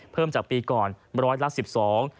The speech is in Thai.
เพิ่มจากปีก่อน๑๑๒๐๐๐ล้านบาท